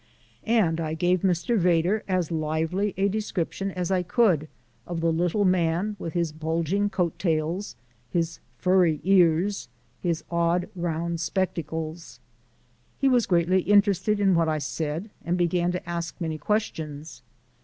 And I gave Mr. Vedder as lively a description as I could of the little man with his bulging coat tails, his furry ears, his odd round spectacles. He was greatly interested in what I said and began to ask many questions.